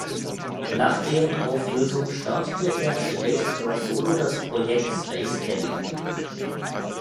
Nach deren Auflösung startete er zunächst noch solo das Projekt Space Kelly.